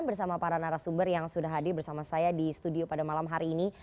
bersama para narasumber yang sudah hadir bersama saya di studio pada malam hari ini